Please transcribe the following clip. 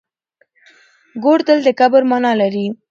ګور تل د کبر مانا لري.